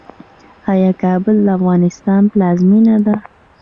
آیا کابل د افغانستان پلازمینه ده؟